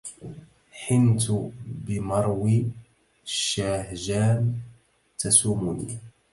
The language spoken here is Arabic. حنت بمرو الشاهجان تسومني